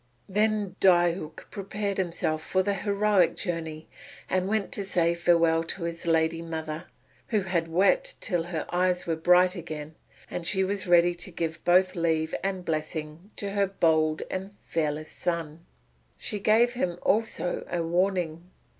Then Diuk prepared himself for the heroic journey and went to say farewell to his lady mother, who had wept till her eyes were bright again, and she was ready to give both leave and blessing to her bold and fearless son. She gave him also a warning.